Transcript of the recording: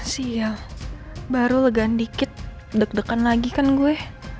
sial baru lega dikit deg degan lagi kan gue